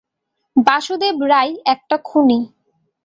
বাসুদেব রাই একটা খুনি।